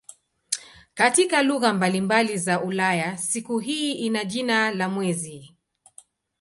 Katika lugha mbalimbali za Ulaya siku hii ina jina la "mwezi".